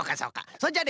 それじゃあね